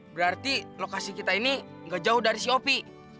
berarti lokasi kita ini gak jauh dari si opi